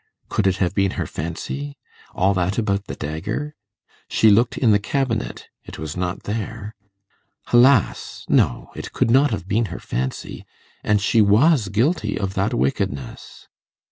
Could it have been her fancy all that about the dagger? She looked in the cabinet; it was not there. Alas! no; it could not have been her fancy, and she was guilty of that wickedness.